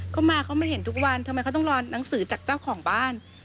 เขามาเขามาเห็นทุกวันทำไมเขาต้องรอหนังสือจากเจ้าของบ้าน